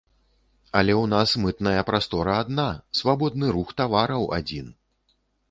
Але ў нас мытная прастора адна, свабодны рух тавараў адзін.